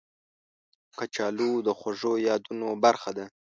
کچالو د خوږو یادونو برخه ده